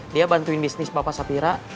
dia bantuin bisnis bapak sapira